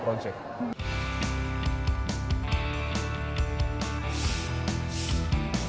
perlindungan perusahaan di area ini